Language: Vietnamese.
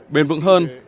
bền vững hơn